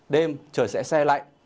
đêm trời sẽ se lỏng